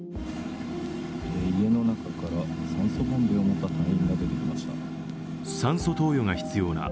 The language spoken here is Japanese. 家の中から酸素ボンベを持った隊員が出てきました。